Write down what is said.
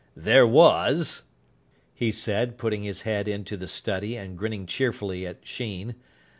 "There was," he said, putting his head into the study and grinning cheerfully at Sheen.